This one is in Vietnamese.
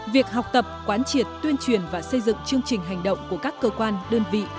việc học tập quán triệt tuyên truyền và xây dựng chương trình hành động của các cơ quan đơn vị